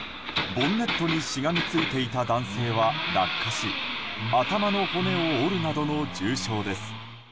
ボンネットにしがみついていた男性は落下し頭の骨を折るなどの重傷です。